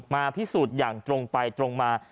มาพิสูจน์อย่างตรงไปตรงมา